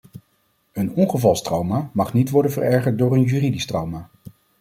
Een ongevalstrauma mag niet worden verergerd door een juridisch trauma.